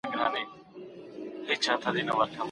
د نشې حالت دوه حکمه لري.